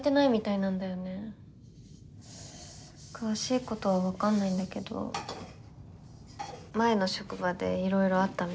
詳しいことは分かんないんだけど前の職場でいろいろあったみたい。